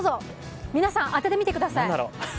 皆さん、当ててみてください。